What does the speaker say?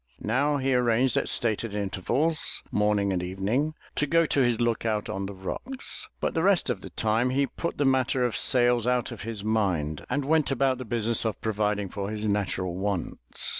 Now he arranged at stated intervals, morning and evening, to go to his look out on the rocks, but the rest of the time he put the matter of sails out of his mind, and went about his business of providing for his natural wants.